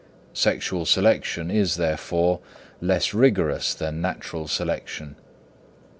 Sexual selection is, therefore, less rigorous than natural selection.